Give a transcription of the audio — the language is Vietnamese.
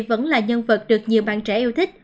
vẫn là nhân vật được nhiều bạn trẻ yêu thích